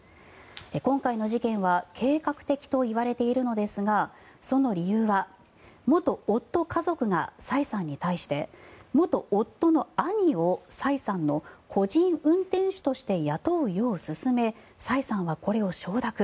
今回の事件は計画的と言われているのですがその理由は元夫家族がサイさんに対して元夫の兄をサイさんの個人運転手として雇うよう勧めサイさんはこれを承諾。